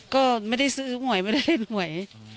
ก็ไม่ได้ซื้อหวยไม่ได้เล่นหวย